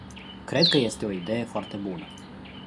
Cred că este o idee foarte bună.